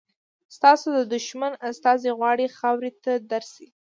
ستاسو د دښمن استازی غواړي خاورې ته درشي.